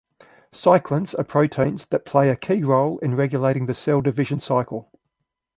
Cyclins are proteins that play a key role in regulating the cell-division cycle.